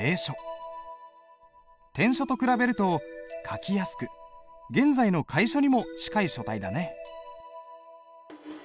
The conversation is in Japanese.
篆書と比べると書きやすく現在の楷書にも近い書体だね。